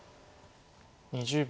２０秒。